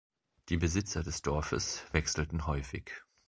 Die Besitzer des Dorfes wechselten häufig.